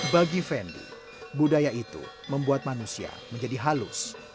bagi fendi budaya itu membuat manusia menjadi halus